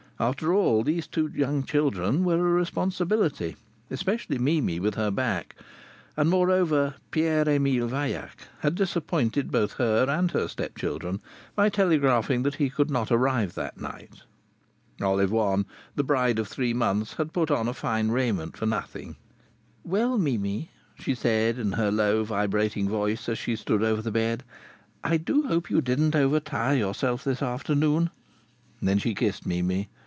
After all, these two young children were a responsibility, especially Mimi with her back; and, moreover, Pierre Emile Vaillac had disappointed both her and her step children by telegraphing that he could not arrive that night. Olive One, the bride of three months, had put on fine raiment for nothing. "Well, Mimi," she said in her low, vibrating voice, as she stood over the bed, "I do hope you didn't overtire yourself this afternoon." Then she kissed Mimi.